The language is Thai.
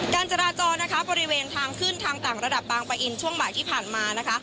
การจราจรนะคะบริเวณทางขึ้นทางต่างระดับบางปะอินช่วงบ่ายที่ผ่านมานะคะ